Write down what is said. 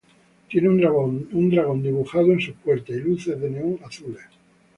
Tiene un dragón dibujado en sus puertas y luces de neón azules.